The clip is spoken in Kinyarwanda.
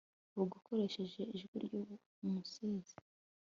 Vuga ukoresheje ijwi ryumusizi